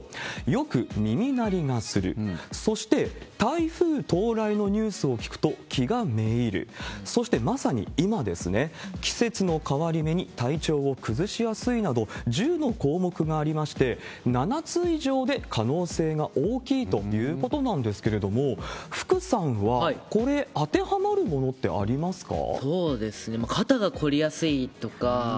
よく耳鳴りがする、そして、台風到来のニュースを聞くと、気が滅入る、そして、まさに今ですね、季節の変わり目に体調を崩しやすいなど、１０の項目がありまして、７つ以上で可能性が大きいということなんですけれども、福さんはこれ、そうですね、肩が凝りやすいとか。